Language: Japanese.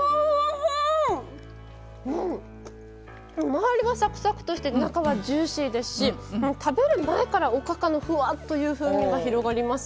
周りがサクサクとして中がジューシーですし食べる前からおかかの、ふわっとした風味が広がります。